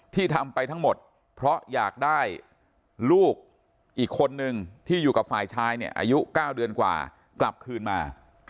ที่ทำไปทั้งหมดเพราะอยากได้ลูกอีกคนนึงที่อยู่กับฝ่ายชายเนี่ยอายุ๙เดือนกว่ากลับคืนมา